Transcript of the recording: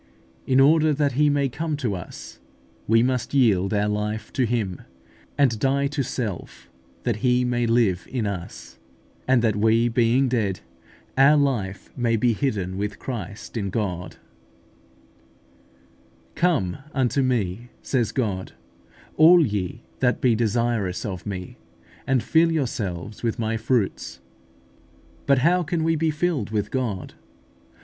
In order that He may come to us, we must yield our life to Him, and die to self that He may live in us, and that we being dead, our life may be hidden with Christ in God (Col. iii. 3). "Come unto me," says God, "all ye that be desirous of me, and fill yourselves with my fruits" (Ecclus. xxiv. 19). But how can we be filled with God?